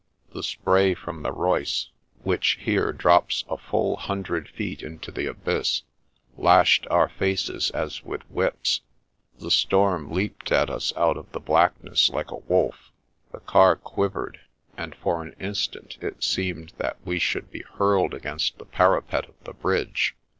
The spray from the Reuss, which here drops a full hundred feet into the abyss, lashed our faces as with whips; the storm leaped at us out of the blackness like a wolf; the car quivered, and for an instant it seemed that we should be hurled against the parapet of the bridge.